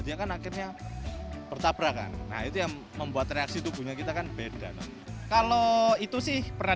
dia kan akhirnya bertabrakan nah itu yang membuat reaksi tubuhnya kita kan beda kalau itu sih pernah